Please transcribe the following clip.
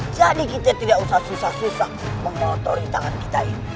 jadi kita tidak usah susah susah mengotori tangan kita ini